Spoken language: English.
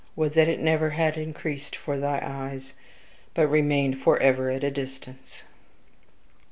would that it never had increased for thy eyes, but remained forever at a distance!